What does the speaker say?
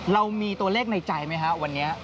เรามีตัวเลขในใจไหมฮะวันนี้